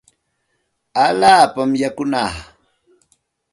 Allaapami yakunaa.